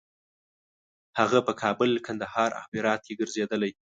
هغه په کابل، کندهار او هرات کې ګرځېدلی.